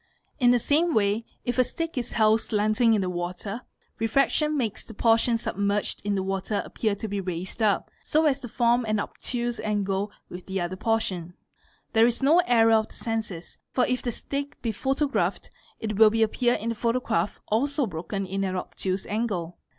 In the ame way if a stick is held slanting in the water, refraction makes the ; SAS AN. GSE. 4 PON? OM. ee 4B nat 64 EXAMINATION OF WITNESSES portion submerged in the water appear to be raised up, so as to form an obtuse angle with the other portion. There is no error of the senses, © for if the stick be photographed it will appear in the photograph also broken in an obtuse angle.